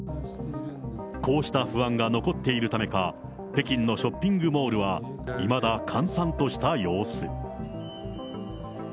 こうした不安が残っているためか、北京のショッピングモールはいまだ閑散とした様子。